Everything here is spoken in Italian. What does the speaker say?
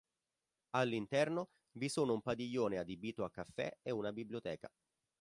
All'interno vi sono un padiglione adibito a caffè e una biblioteca.